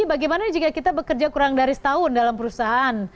bagaimana jika kita bekerja kurang dari setahun dalam perusahaan